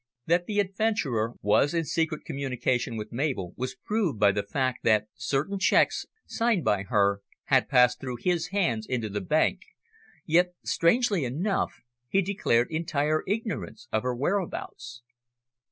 That the adventurer was in secret communication with Mabel was proved by the fact that certain cheques signed by her had passed through his hands into the bank, yet strangely enough, he declared entire ignorance of her whereabouts.